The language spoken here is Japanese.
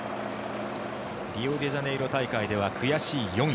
リオデジャネイロ大会では悔しい４位。